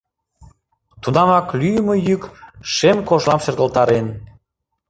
Тунамак лӱйымӧ йӱк шем кожлам шергылтарен.